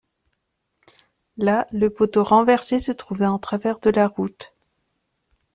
Là, le poteau renversé se trouvait en travers de la route